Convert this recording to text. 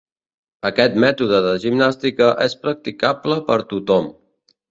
Aquest mètode de gimnàstica és practicable per tothom.